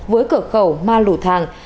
với cửa khẩu ma lũ thàng